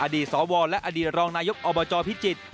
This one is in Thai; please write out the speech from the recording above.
สวและอดีตรองนายกอบจพิจิตร